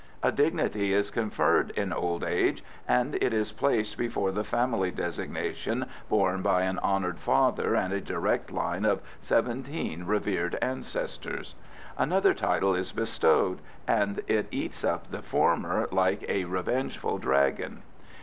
A dignity is conferred in old age, and it is placed before the family designation borne by an honoured father and a direct line of seventeen revered ancestors. Another title is bestowed, and eats up the former like a revengeful dragon.